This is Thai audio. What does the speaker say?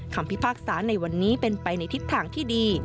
พิพากษาในวันนี้เป็นไปในทิศทางที่ดี